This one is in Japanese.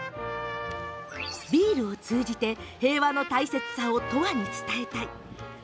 ビールを通じて平和の大切さをとわに伝えたい。